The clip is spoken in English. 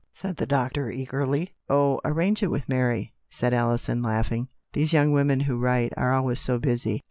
said the doctor eagerly. "Oh, arrange it with Mary," said Alison laughing. " These young women who write are always so busy.